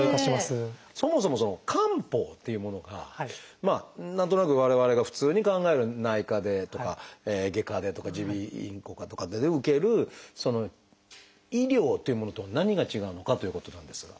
そもそもその漢方っていうものが何となく我々が普通に考える内科でとか外科でとか耳鼻咽喉科とかで受ける医療というものとは何が違うのかということなんですが。